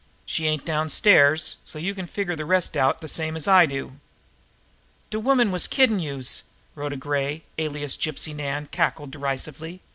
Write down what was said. She ain't downstairs so you can figure the rest out the same way I do." "De woman was kiddin' youse!" Rhoda Gray, alias Gypsy Nan, cackled derisively.